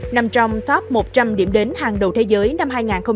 nằm trong top một trăm linh điểm đến hàng đầu thế giới năm hai nghìn hai mươi